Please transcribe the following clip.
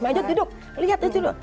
ma'ijot duduk lihat aja dulu